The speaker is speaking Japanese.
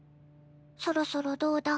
そろそろどうだ？